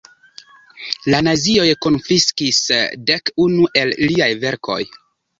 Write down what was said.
La nazioj konfiskis dek unu el liaj verkoj.